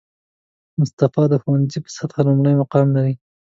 مصطفی د ښوونځي په سطحه لومړی مقام لري